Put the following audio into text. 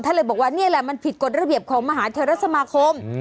เลยบอกว่านี่แหละมันผิดกฎระเบียบของมหาเทรสมาคม